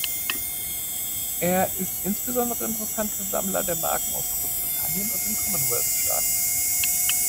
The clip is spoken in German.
Er ist insbesondere interessant für Sammler der Marken aus Großbritannien und den Commonwealth-Staaten.